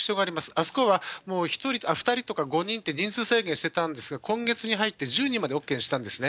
あそこはもう２人とか５人って人数制限してたんですが、今月に入って、１０人までＯＫにしたんですね。